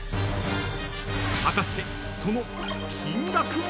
［果たしてその金額は？］